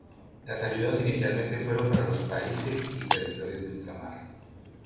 Las ayudas inicialmente fueron para los países y territorios de ultramar.